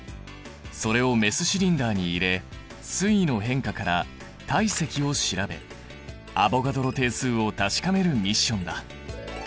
それをメスシリンダーに入れ水位の変化から体積を調べアボガドロ定数を確かめるミッションだ。